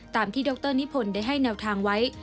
ตามที่ดรนิพนธ์ได้ให้แนวทางไว้